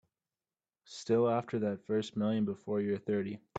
Still after that first million before you're thirty.